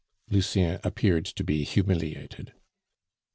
Lucien appeared to be humiliated.